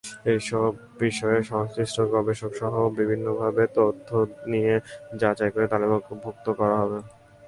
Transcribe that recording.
এসব বিষয়ে সংশ্লিষ্ট গবেষকসহ বিভিন্নভাবে তথ্য নিয়ে যাচাই করে তালিকাভুক্ত করা হবে।